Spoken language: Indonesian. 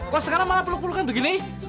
kok sekarang malah peluk pelukan begini